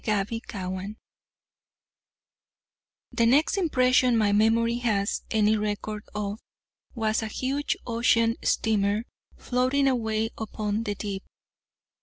CHAPTER XXXII The next impression my memory has any record of was a huge ocean steamer, floating away upon the deep.